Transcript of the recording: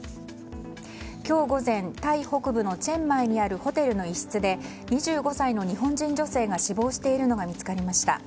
今日午前タイ北部のチェンマイにあるホテルの一室で２５歳の日本人女性が死亡しているのが見つかりました。